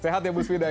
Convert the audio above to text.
sehat ya bu swida ya